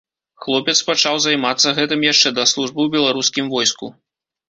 Хлопец пачаў займацца гэтым яшчэ да службы ў беларускім войску.